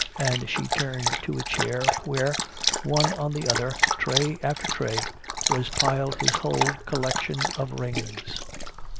And she turned to a chair where, one on the other, tray after tray, was piled his whole collection of rings.